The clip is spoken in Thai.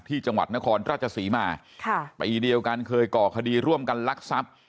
ที่จังหวัดนครราชสีมาปีเดียวกันเคยก่อคดีร่วมกันลักษัพ